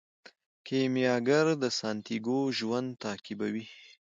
کیمیاګر د سانتیاګو ژوند تعقیبوي.